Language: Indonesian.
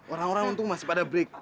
orang orang untung masih pada break